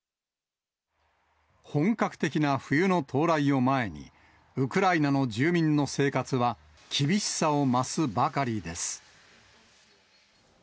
本格的な冬の到来を前に、ウクライナの住民の生活は厳しさを増すばかりです。